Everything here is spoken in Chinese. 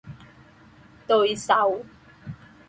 对手